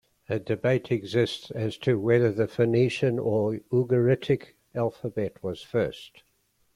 A debate exists as to whether the Phoenician or Ugaritic "alphabet" was first.